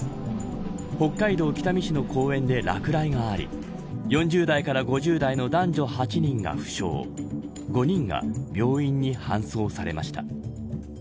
北海道北見市の公園で落雷があり４０代から５０代の男女８人が負傷５人が病院に搬送されました。